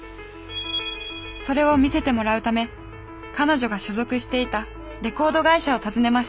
それを見せてもらうため彼女が所属していたレコード会社を訪ねました。